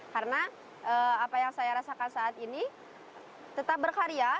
karena apa yang saya rasakan saat ini tetap berkarya